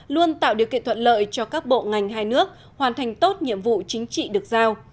luôn tạo điều kiện thuận lợi cho các bộ ngành hai nước hoàn thành tốt nhiệm vụ chính trị được giao